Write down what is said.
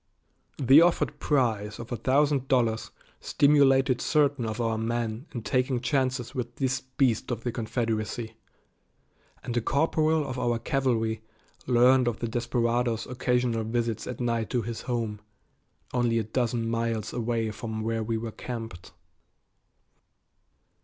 The offered prize of a thousand dollars stimulated certain of our men in taking chances with this beast of the Confederacy, and a corporal of our cavalry learned of the desperado's occasional visits at night to his home, only a dozen miles away from where we were camped.